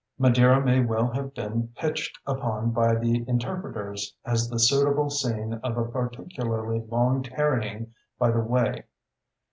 Madeira may well have been pitched upon by the interpreters as the suitable scene of a particularly long tarrying by the way.